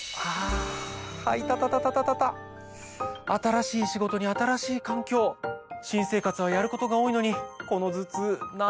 新しい仕事に新しい環境新生活はやることが多いのに。